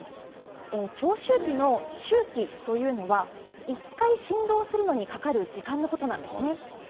長周期の周期というのは１回振動するのにかかる時間です。